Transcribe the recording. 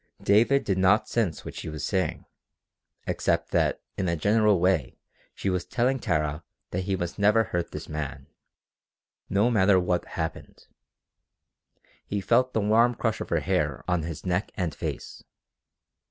David did not sense what she was saying, except that in a general way she was telling Tara that he must never hurt this man, no matter what happened. He felt the warm crush of her hair on his neck and face.